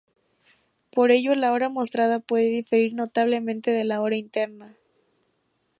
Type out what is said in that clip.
Por ello la hora mostrada puede diferir notablemente de la hora interna.